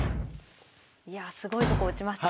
いやあすごいとこ打ちましたね。